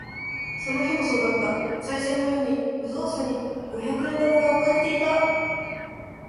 その日もそうだった。賽銭のように無造作に五百円玉が置かれていた。